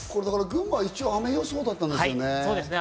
群馬、一応雨予想だったんですよね。